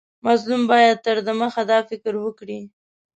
مظلوم باید تر دمخه دا فکر وکړي.